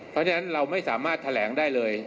เพราะฉะนั้นเราไม่สามารถแถลงได้เลย